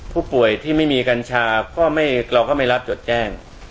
ผู้ป่วยที่ไม่มีกัญชาเราก็ไม่รับจดแจ้ง